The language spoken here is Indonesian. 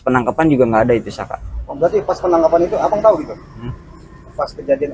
penangkapan juga enggak ada itu saka berarti pas penangkapan itu abang tahu itu pas kejadian